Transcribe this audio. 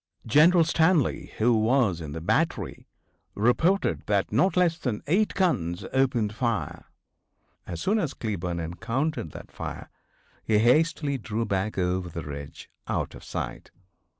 General Stanley, who was in the battery, reported that not less than eight guns opened fire. As soon as Cleburne encountered that fire he hastily drew back over the ridge, out of sight.